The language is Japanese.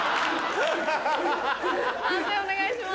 判定お願いします。